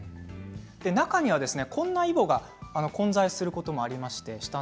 中にはこんなイボが混在することもあります。